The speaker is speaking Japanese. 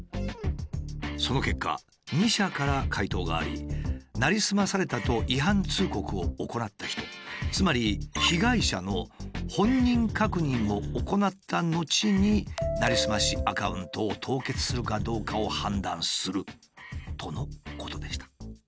その結果２社から回答がありなりすまされたと違反通告を行った人つまり被害者の本人確認を行った後になりすましアカウントを凍結するかどうかを判断するとのことでした。